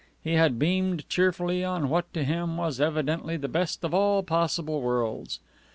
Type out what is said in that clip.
He had beamed cheerfully on what to him was evidently the best of all possible worlds.